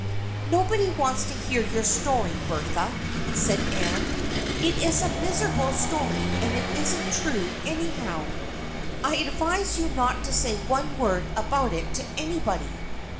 " Nobody wants to hear your story, Bertha," said Anne. " It is a miserable story and it isn't true, anyhow. I advise you not to say one word about it to anybody.